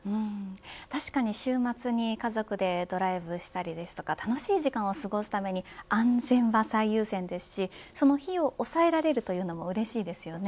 確かに、週末に家族でドライブしたりですとか楽しい時間を過ごすために安全は最優先ですしその費用を抑えられるというのもうれしいですよね。